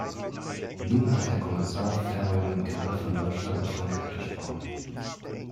Nun hat Herr Kommissar Verheugen gerade von Deutschland und Frankreich gesprochen.